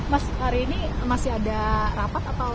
mas hari ini masih ada rapat atau